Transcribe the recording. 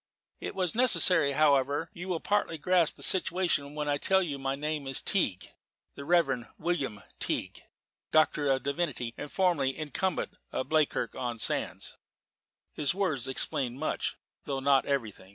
"It was necessary, however. You will partly grasp the situation when I tell you that my name is Teague the Reverend William Teague, Doctor of Divinity, and formerly incumbent of Bleakirk on Sands." His words explained much, though not everything.